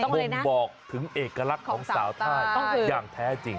บ่งบอกถึงเอกลักษณ์ของสาวท่าอย่างแท้จริง